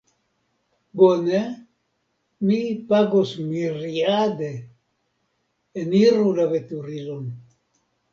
Bone, mi pagos miriade. Eniru la veturilon